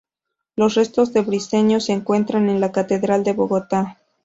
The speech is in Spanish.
Los restos de Briceño se encuentran en la catedral de Bogotá.